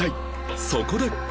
そこで